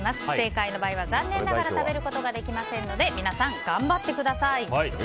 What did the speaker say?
不正解の場合は残念ながら食べることができませんので皆さん頑張ってください。